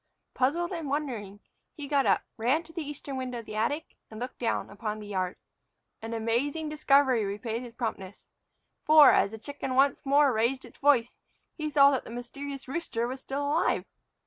Puzzled and wondering, he got up, ran to the eastern window of the attic, and looked down upon the yard. An amazing discovery repaid his promptness. For, as the chicken once more raised its voice, he saw that the mysterious rooster was still alive!